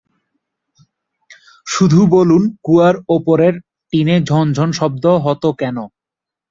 শুধু বলুন-কুয়ার ওপরের টিনে ঝন ঝন শব্দ হত কেন?